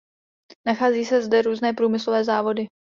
Nachází se zde různé průmyslové závody.